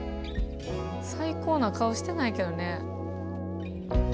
最高な顔してないけどね。